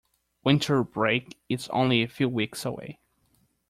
Winter break is only a few weeks away!